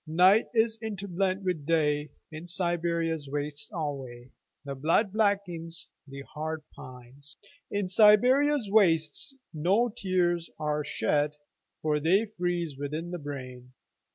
Night is interblent with Day.In Siberia's wastes alwayThe blood blackens, the heart pines.In Siberia's wastesNo tears are shed, For they freeze within the brain.